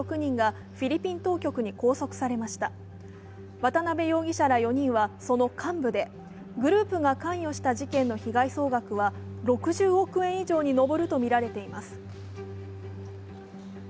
渡辺容疑者ら４人はその幹部でグループが関与した事件の被害総額は６０億円以上に上るとみられています。